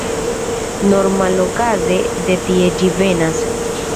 Normalokaze de tie ĝi venas.